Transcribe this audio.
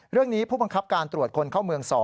เรื่องนี้ผู้บังคับการตรวจคนเข้าเมือง๒